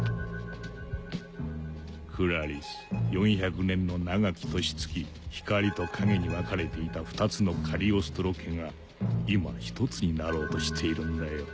クラリス４００年の永き年月光と影に分かれていた２つのカリオストロ家が今１つになろうとしているのだよ。